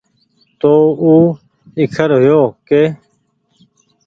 تو او ايکرهيو ڪي